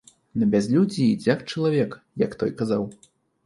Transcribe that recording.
На бязлюддзі і дзяк чалавек, як той казаў.